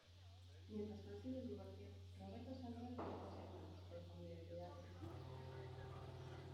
Mientras consigue el divorcio, Roberto saldrá con las dos hermanas pero con identidades diferentes.